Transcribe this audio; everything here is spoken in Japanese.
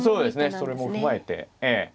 それも踏まえて。